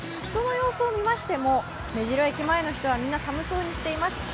人の様子を見ましても、目白駅前の人はみんな寒そうにしています。